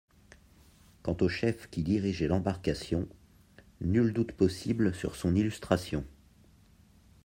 Quant au chef qui dirigeait l’embarcation, nul doute possible sur son illustration.